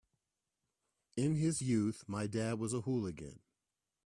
In his youth my dad was a hooligan.